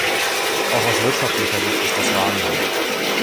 Auch aus wirtschaftlicher Sicht ist das Wahnsinn.